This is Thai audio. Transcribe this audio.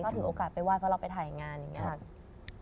ถือโอกาสไปไห้เพราะเราไปถ่ายงานอย่างนี้ค่ะ